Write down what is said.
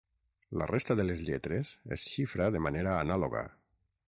La resta de les lletres es xifra de manera anàloga.